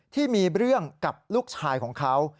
ที่มีเรื่องกับลูกชายของเขา